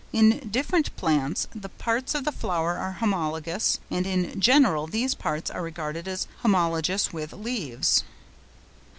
In different plants the parts of the flower are homologous, and in general these parts are regarded as homologous with leaves.